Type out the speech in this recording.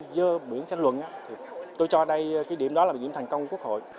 dơ biển tranh luận tôi cho đây cái điểm đó là điểm thành công của quốc hội